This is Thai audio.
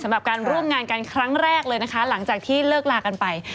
สำหรับการร่วมงานกันครั้งแรกเลยนะคะหลังจากที่เลิกลากันไป